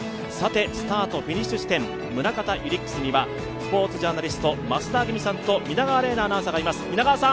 スタート・フィニッシュ地点、宗像ユリックスにはスポーツジャーナリスト・増田明美さんと皆川玲奈アナウンサーがいます。